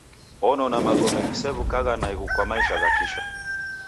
Onona magome ghisew'uka naighu kwa maisha gha kisha.